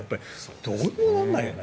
どうにもならないよね